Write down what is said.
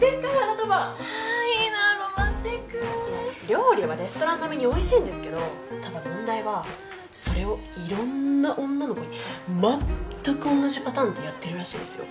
料理はレストラン並みにおいしいんですけどただ問題はそれをいろんな女の子にまったくおんなじパターンでやってるらしいですよ。